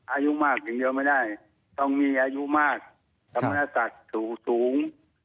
อายุมากอย่างเดียวไม่ได้ต้องมีอายุมากธรรมนศักดิ์สูง